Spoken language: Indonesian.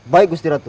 baik gusti ratu